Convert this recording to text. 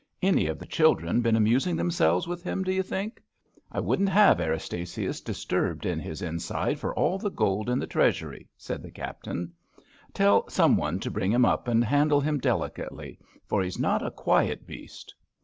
Any of the children been amusing themselves with him, d'you think? I wouldn't have Erastasius dis turbed in his inside for all the gold ir the treas ury," said the Captain. Tell some one to bring him up, and handle him delicately, for he's not a quiet beast."